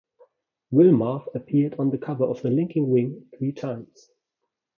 Willmarth appeared on the cover of The Linking Ring three times.